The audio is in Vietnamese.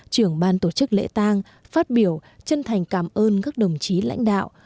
trưởng ban tổ chức lễ tang phát biểu chân thành cảm ơn các đồng chí lãnh đạo